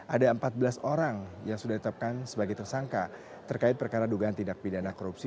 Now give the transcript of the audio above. ada empat belas orang yang sudah ditetapkan sebagai tersangka terkait perkara dugaan tindak pidana korupsi